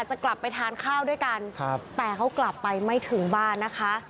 จะกลับไปทานข้าวด้วยกันแต่เขากลับไปไม่ถึงบ้านนะคะ